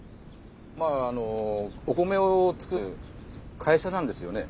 まああのお米を作る会社なんですよね。